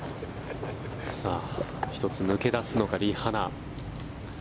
１つ抜け出すのか、リ・ハナ。